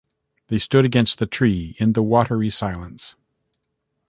They stood against the tree in the watery silence.